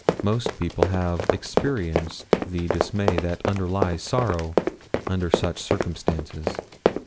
Most people have experienced the dismay that underlies sorrow under such circumstances.